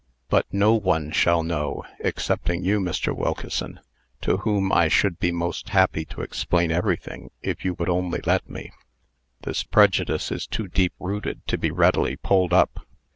But no one shall know excepting you, Mr. Wilkeson, to whom I should be most happy to explain everything, if you would only let me. This prejudice is too deep rooted to be readily pulled up.